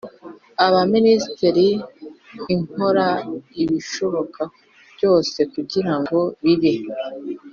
y Abaminisitiri ikora ibishoboka byose kugira ngo bibe